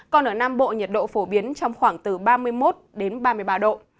còn ở nam bộ nhiệt độ phổ biến trong khoảng từ ba mươi một đến ba mươi ba độ